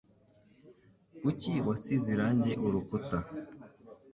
Kuki wasize irangi urukuta?